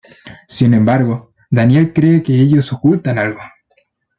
Sin embargo, Daniel cree que ellos ocultan algo.